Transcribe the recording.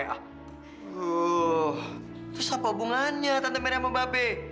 tuh terus apa hubungannya tante mer sama mbak be